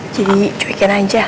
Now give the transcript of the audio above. jadi cuyekin aja